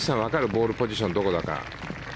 ボールポジションどこだか。